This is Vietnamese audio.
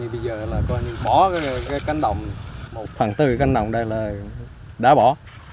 bỏ cái cánh đồng khoảng bốn cái cánh đồng đây là đã bỏ